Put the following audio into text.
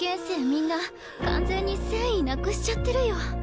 みんな完全に戦意なくしちゃってるよ。